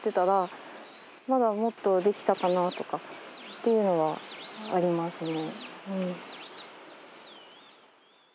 というのはありますね。